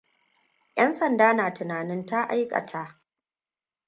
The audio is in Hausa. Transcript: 'Yan sanda na tunanin ta aikata.